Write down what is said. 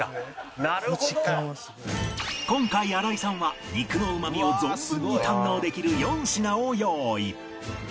今回荒井さんは肉のうまみを存分に堪能できる４品を用意